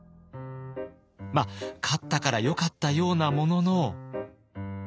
まあ勝ったからよかったようなものの。